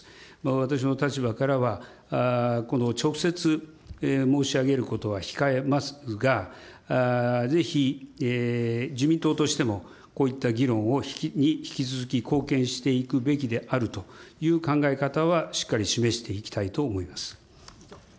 私の立場からは、直接、申し上げることは控えますが、ぜひ自民党としても、こういった議論に引き続き貢献していくべきであるという考え方はしっかり示していきたいと思います。